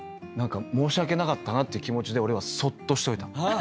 申し訳なかったなって気持ちで俺はそっとしといた。